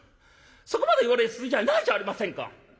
そこまで言われる筋合いないじゃありませんか」。